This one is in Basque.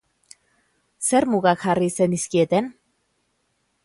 Zer muga jarri zenizkieten?